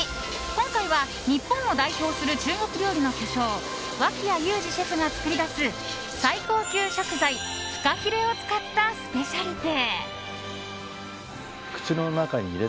今回は日本を代表する中国料理の巨匠脇屋友詞シェフが作り出す最高級食材フカヒレを使ったスペシャリテ！